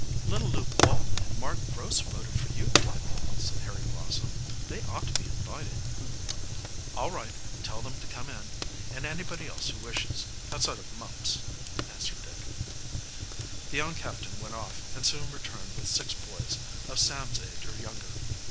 "Little Luke Walton and Mark Gross voted for you, Dick," said Harry Blossom. "They ought to be invited." "All right, tell them to come in, and anybody else who wishes, outside of Mumps," answered Dick. The young captain went off, and soon returned with six boys of Sam's age or younger.